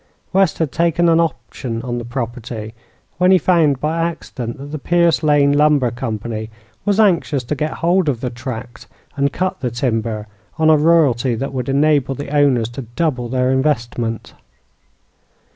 West had taken an option on the property, when he found by accident that the Pierce Lane Lumber Company was anxious to get hold of the tract and cut the timber on a royalty that would enable the owners to double their investment."